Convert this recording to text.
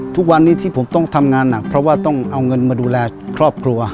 ทุกวันนี้ที่ผมต้องทำงานหนักเพราะว่าต้องเอาเงินมาดูแลครอบครัว